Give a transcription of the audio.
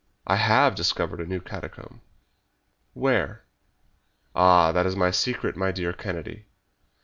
I HAVE discovered a new catacomb." "Where?" "Ah, that is my secret, my dear Kennedy.